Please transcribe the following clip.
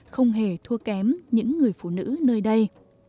không hề thua kém những người phụ nữ nơi đây